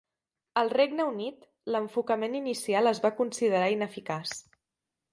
Al Regne Unit, l'enfocament inicial es va considerar ineficaç.